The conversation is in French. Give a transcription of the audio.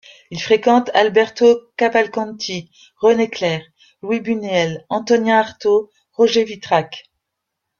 Il fréquente Alberto Cavalcanti, René Clair, Luis Buñuel, Antonin Artaud, Roger Vitrac.